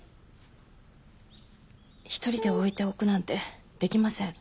一人で置いておくなんてできません。